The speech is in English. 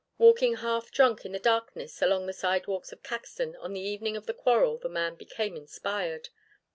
Walking half drunk in the darkness along the sidewalks of Caxton on the evening of the quarrel the man became inspired.